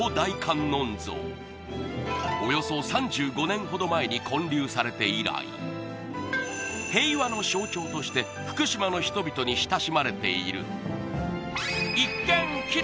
およそ３５年ほど前に建立されて以来平和の象徴として福島の人々に親しまれているあ